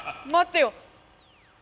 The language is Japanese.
待ってよ！